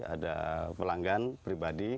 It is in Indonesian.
ada pelanggan yang memiliki